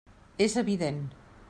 És evident.